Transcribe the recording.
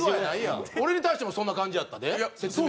俺に対してもそんな感じやったで説明。